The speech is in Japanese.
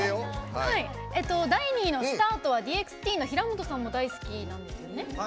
第２位の「ＳｔａＲｔ」はＤＸＴＥＥＮの平本さんも大好きなんですよね。